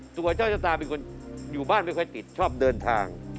ตัวเจ้าชะตาเป็นคนอยู่บ้านไม่ค่อยติดชอบเดินทาง